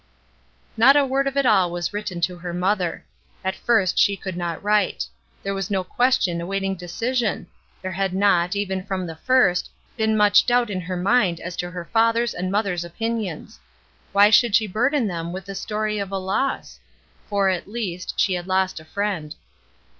Not a word of it all was written to her mother. At first she could not write. There was no question awaiting decision; there had not, even from the first, been much doubt in her mind as to her father's and mother's opinions ; why should she burden them with the story of a loss ? For, at least, she had lost a friend.